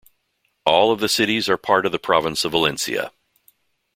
All of the cities are part of the province of Valencia.